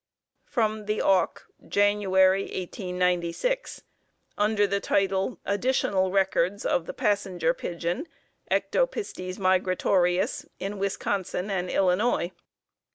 From "The Auk," January, 1896, under the title, "Additional Records of the Passenger Pigeon (Ectopistes migratorius) in Wisconsin and Illinois."